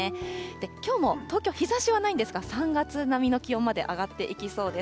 きょうも東京、日ざしはないんですが、３月並みの気温まで上がっていきそうです。